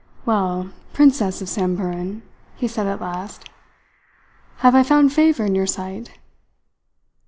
"Well, princess of Samburan," he said at last, "have I found favour in your sight?"